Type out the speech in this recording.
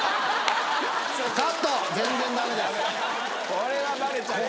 これはバレちゃうな。